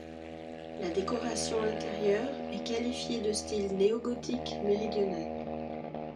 La décoration intérieure est qualifiée de style néogothique méridional.